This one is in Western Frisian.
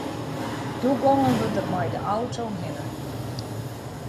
Doe gongen we der mei de auto hinne.